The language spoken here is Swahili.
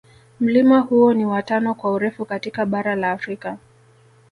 Mlima huo ni wa tano kwa urefu katika bara la Afrika